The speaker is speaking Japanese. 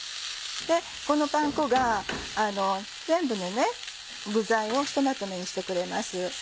このパン粉が全部の具材をひとまとめにしてくれます